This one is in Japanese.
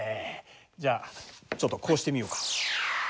じゃあちょっとこうしてみようか。